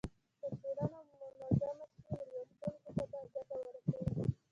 که څېړنه منظمه شي نو لوستونکو ته به ګټه ورسوي.